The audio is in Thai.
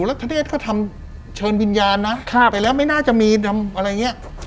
แล้วท่านเนสก็ทำเชิญวิญญาณนะครับไปแล้วไม่น่าจะมีทำอะไรเงี้ย